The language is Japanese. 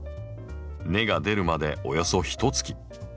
根が出るまでおよそひとつき。